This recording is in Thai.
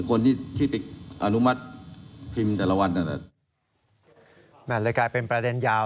คนที่ที่ไปอนุมัติพิมพ์แต่ละวันนั่นแหละแม่เลยกลายเป็นประเด็นยาว